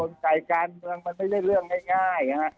การสนใจการเมืองมันมันไม่เรื่องง่าย